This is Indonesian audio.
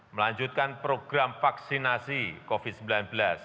melanjutkan program vaksinasi covid sembilan belas